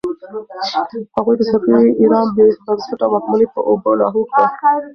هغوی د صفوي ایران بې بنسټه واکمني په اوبو لاهو کړه.